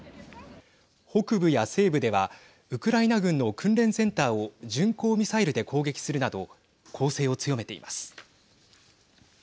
北部や西部ではウクライナ軍の訓練センターを巡航ミサイルで攻撃するなど攻勢を強めています。